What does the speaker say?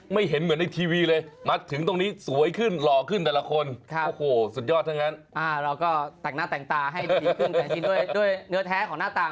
ไม่เกี่ยวกับคุยกันก่อนนะครับ